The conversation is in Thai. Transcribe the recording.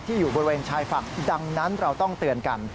อยู่บริเวณชายฝั่งดังนั้นเราต้องเตือนกัน